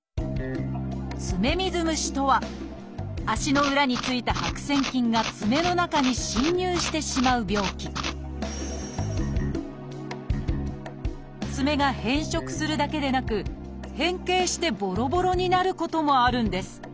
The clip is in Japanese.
「爪水虫」とは足の裏についた白癬菌が爪の中に侵入してしまう病気爪が変色するだけでなく変形してボロボロになることもあるんです。